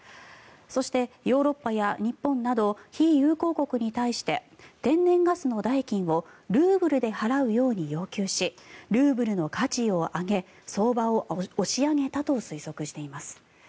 そしてヨーロッパや日本など非友好国に対して天然ガスの代金をルーブルで払うように要求しルーブルの価値を上げ相場を押し上げたと推測しています。